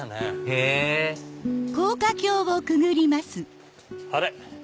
へぇあれ？